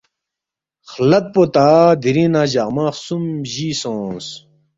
”خلد پو تا دِرِنگ نہ جقمہ خسُوم بجی سونگس